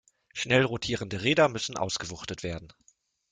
Schnell rotierende Räder müssen ausgewuchtet werden.